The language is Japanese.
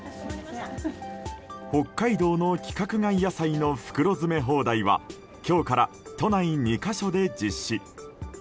北海道の規格外野菜の袋詰め放題は今日から都内２か所で実施。